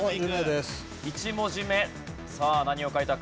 １文字目さあ何を書いたか？